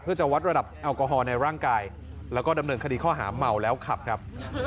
เพื่อจะวัดระดับแอลกอฮอลในร่างกายแล้วก็ดำเนินคดีข้อหาเมาแล้วขับครับ